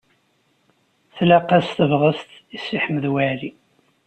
Tlaq-as tebɣest i Si Ḥmed Waɛli.